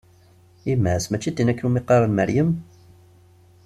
Yemma-s, mačči d tin akken iwumi i qqaren Meryem?